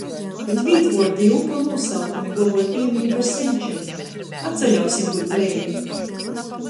Bet vītvuordi i upu nūsaukumi globoj pīmini par senčim... Atsaļausim byut breivi...